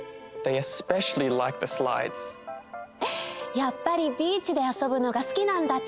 やっぱりビーチであそぶのがすきなんだって。